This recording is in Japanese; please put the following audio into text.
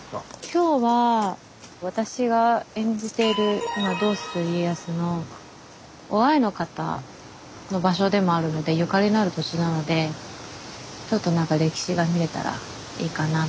今日は私が演じている「どうする家康」の於愛の方の場所でもあるのでゆかりのある土地なのでちょっとなんか歴史が見れたらいいかなって思います。